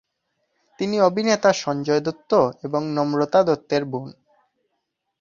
তিনি অভিনেতা সঞ্জয় দত্ত এবং নম্রতা দত্তের বোন।